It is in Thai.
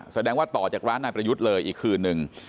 แสดงว่าต่อจากร้านนายประยุทธ์เลยอีกคืนนึง